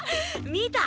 見た？